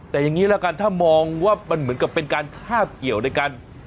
แต่อย่างนี้ละกันถ้ามองว่ามันเหมือนกับเป็นการคาบเกี่ยวในการ